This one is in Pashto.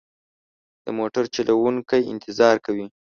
د موټر چلوونکی انتظار کوي.